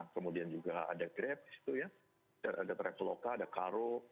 kemudian juga ada grab di situ ya ada traveloka ada karo